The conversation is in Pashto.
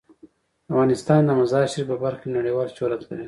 افغانستان د مزارشریف په برخه کې نړیوال شهرت لري.